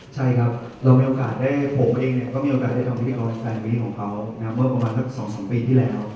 ใช่ครับผมเองก็มีโอกาสได้ทำวิธีออนแฟนวิธีของเขาเมื่อประมาณ๒๒ปีที่แล้ว